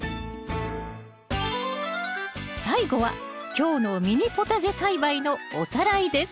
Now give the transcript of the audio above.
最後は今日のミニポタジェ栽培のおさらいです。